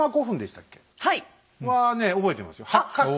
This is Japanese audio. はい！は覚えてますよ。